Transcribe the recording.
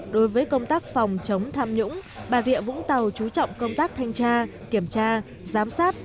đối với công tác phòng chống tham nhũng bà rịa vũng tàu chú trọng công tác thanh tra kiểm tra giám sát